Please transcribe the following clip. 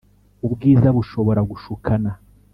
Ubwiza bushobora gushukana